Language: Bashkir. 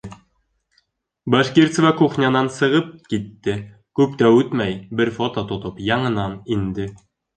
- Башкирцева кухнянан сығып китте, күп тә үтмәй, бер фото тотоп яңынан инде.